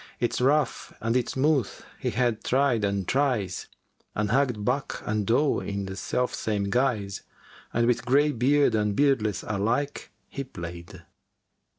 Its rough and its smooth he had tried and tries * And hugged buck and doe in the self same guise And with greybeard and beardless alike he play'd."